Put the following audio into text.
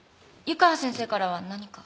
湯川先生からは何か？